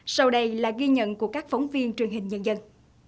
sau đây là ghi nhận của các phóng viên truyền hình nhân dân